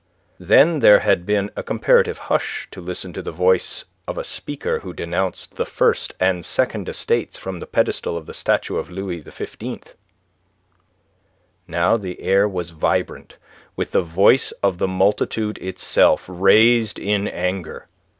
Then there had been a comparative hush to listen to the voice of a speaker who denounced the First and Second Estates from the pedestal of the statue of Louis XV. Now the air was vibrant with the voice of the multitude itself, raised in anger.